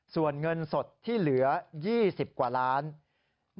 ส่วนเงินสดที่เหลือ๒๐กว่าล้าน